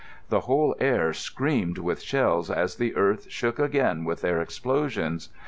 The whole air screamed with shells as the earth shook again with their explosions.